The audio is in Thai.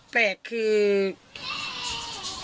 แต่แบบจะ